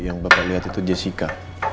yang bapak lihat itu jessica